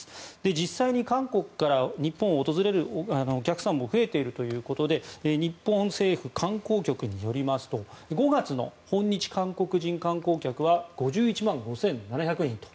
実際に韓国から日本を訪れるお客さんも増えているということで日本政府観光局によりますと５月の訪日韓国人観光客は５１万５７００人と。